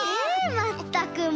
まったくもう！